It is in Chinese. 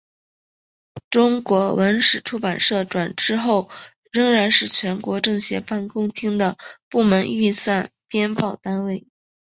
中国文史出版社转制后仍然是全国政协办公厅的部门预算编报单位。